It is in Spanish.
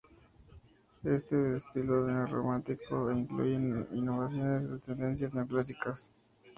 Es de estilo neorrománico, e incluye innovaciones de tendencias neoclásicas.